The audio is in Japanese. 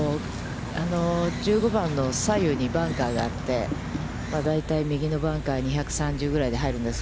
１５番の左右に、バンカーがあって、大体、右のバンカー、２３０ぐらいで入るんです。